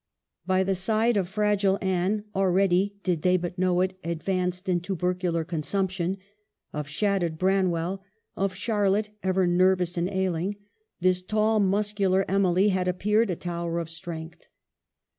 By the side of fragile Anne (already, did they but know it, advanced in tubercular consumption), of shattered Branwell, of Charlotte, ever nervous and ailing, this tall, muscular Emily had appeared a tower of strength.